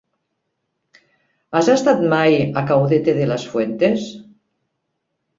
Has estat mai a Caudete de las Fuentes?